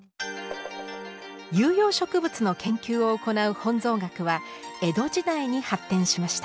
有用植物の研究を行う本草学は江戸時代に発展しました。